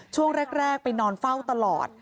ช่วงแรกไปนอนเฝ้าตลอด